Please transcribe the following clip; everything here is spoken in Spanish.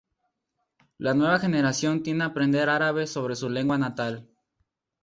La nueva generación tiende a aprender árabe sobre su lengua natal.